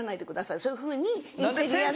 そういうふうにインテリアで。